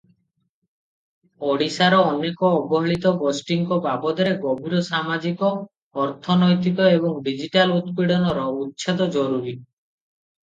ଓଡ଼ିଶାର ଅନେକ ଅବହେଳିତ ଗୋଷ୍ଠୀଙ୍କ ବାବଦରେ ଗଭୀର ସାମାଜିକ-ଅର୍ଥନୈତିକ ଏବଂ ଡିଜିଟାଲ ଉତ୍ପୀଡ଼ନର ଉଚ୍ଛେଦ ଜରୁରୀ ।